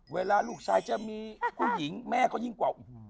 เวลาลูกชายจะมีผู้หญิงแม่ก็ยิ่งกว่า